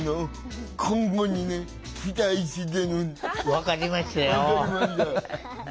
分かりましたよ。